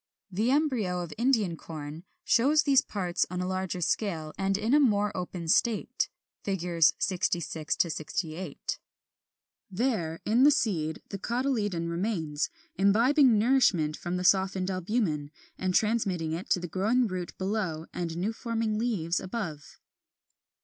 The embryo of Indian Corn shows these parts on a larger scale and in a more open state (Fig. 66 68). There, in the seed, the cotyledon remains, imbibing nourishment from the softened albumen, and transmitting it to the growing root below and new forming leaves above.